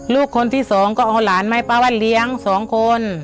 ลูกคนที่สองก็เอาหลานมาให้ป้าวันเลี้ยงสองคน